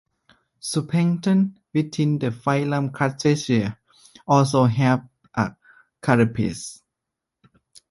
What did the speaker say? Zooplankton within the phylum Crustacea also have a carapace.